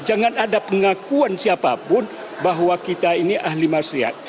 jangan ada pengakuan siapapun bahwa kita ini ahli masyarakat